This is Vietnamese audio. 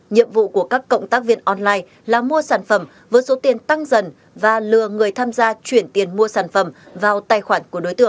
nhiệm vụ của các cộng tác viên online là mua sản phẩm với số tiền tăng dần và lừa người tham gia chuyển tiền mua sản phẩm vào tài khoản của đối tượng